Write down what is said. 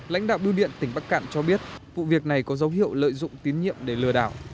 lãnh đạo biêu điện tỉnh bắc cạn cho biết vụ việc này có dấu hiệu lợi dụng tín nhiệm để lừa đảo